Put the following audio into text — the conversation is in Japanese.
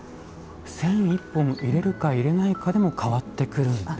線１本入れるか入れないかでも変わってくるんですか。